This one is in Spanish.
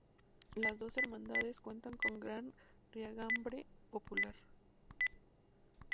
Las dos hermandades cuentan con gran raigambre popular.